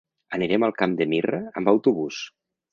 Anirem al Camp de Mirra amb autobús.